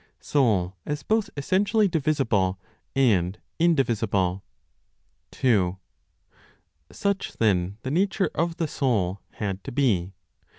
SOUL AS BOTH ESSENTIALLY DIVISIBLE AND INDIVISIBLE. 2. Such then the nature of the soul had to be.